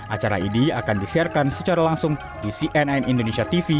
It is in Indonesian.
acara ini akan disiarkan secara langsung di cnn indonesia tv